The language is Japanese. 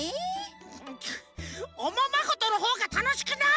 おままごとのほうがたのしくない！